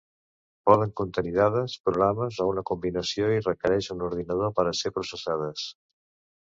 Poden contenir dades, programes o una combinació, i requereixen un ordinador per a ser processades.